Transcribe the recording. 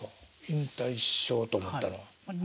引退しようと思ったのは。